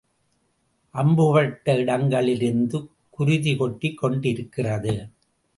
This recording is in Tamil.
அம்புபட்ட இடங்களிலிருந்துகுருதி கொட்டிக் கொண்டிருக்கிறது.